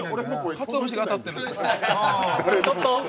かつおぶしが当たってる。